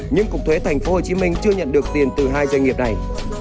nhưng cục thuế tp hcm chưa nhận được tiền từ hai doanh nghiệp này